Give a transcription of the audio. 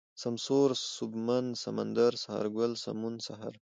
سمسور ، سوبمن ، سمندر ، سهارگل ، سمون ، سحر